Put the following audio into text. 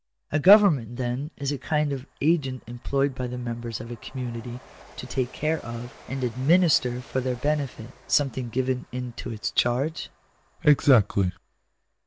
" A government, then, is a kind of agent employed by the members of a community, to take care of, and administer for their benefit, something given into its charge ?"" Exactly."